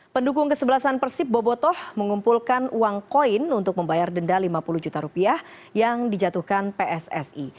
pendukung kesebelasan persib bobotoh mengumpulkan uang koin untuk membayar denda lima puluh juta rupiah yang dijatuhkan pssi